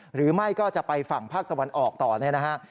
หรือไม่ก็จะไปฝั่งภาคตะวันออกต่อเนี่ยนะฮะ